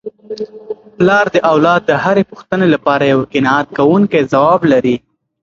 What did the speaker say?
پلار د اولاد د هرې پوښتني لپاره یو قناعت کوونکی ځواب لري.